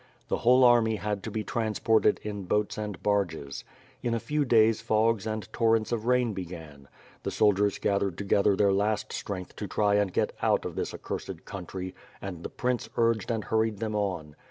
The whole army had to be transported in boats and barges. In a few dayg fogs and torrents of rain began. The soldiers gathered together their last strength to try and get out of this accursed country and the prince urged and hurried them on.